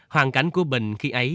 hoàn cảnh của bình khi ấy